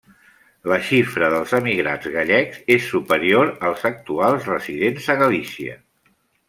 La xifra dels emigrats gallecs és superior als actuals residents a Galícia.